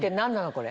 これ。